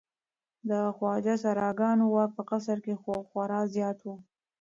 د خواجه سراګانو واک په قصر کې خورا زیات و.